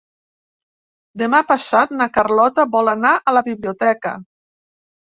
Demà passat na Carlota vol anar a la biblioteca.